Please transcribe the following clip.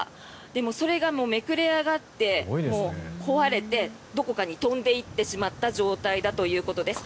でもそれが、めくれ上がってもう壊れてどこかに飛んでいってしまった状態だということです。